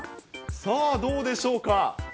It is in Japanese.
さあ、どうでしょうか。